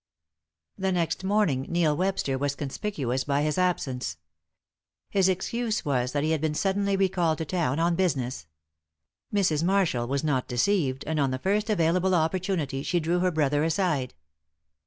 The next morning Neil Webster was conspicuous by his absence. His excuse was that he had been suddenly recalled to town on business. Mrs. Marshall was not deceived, and on the first available opportunity she drew her brother aside.